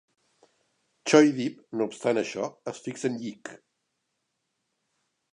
Choi-dip, no obstant això, es fixa en Yik.